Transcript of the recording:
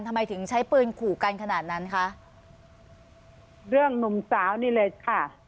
ทำไมถึงใช้ปืนขู่กันขนาดนั้นคะเรื่องหนุ่มสาวนี่เลยค่ะ